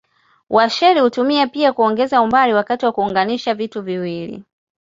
Washeli hutumiwa pia kuongeza umbali wakati wa kuunganisha vitu viwili.